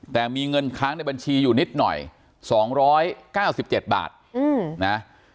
แต่มีเงินค้างในบัญชีอยู่นิดหน่อยสองร้อยเก้าสิบเจ็ดบาทอืมนะ